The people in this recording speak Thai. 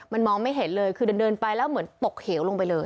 มันมองไม่เห็นเลยคือเดินไปแล้วเหมือนตกเหวลงไปเลย